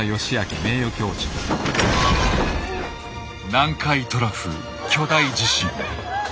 南海トラフ巨大地震。